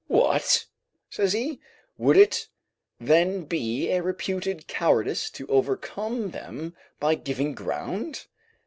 "What!" says he, "would it, then, be a reputed cowardice to overcome them by giving ground?"